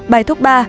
bài thuốc ba